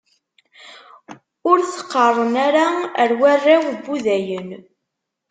Ur t-qeṛṛen ara ar warraw n wudayen.